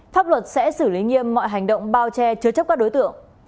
pháp luật sẽ xử lý nghiêm mọi hành động bao che chứa chấp các đối tượng